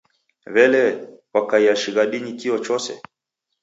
W'ele, kwakaia shighadinyi kio chose?